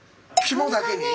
肝だけに？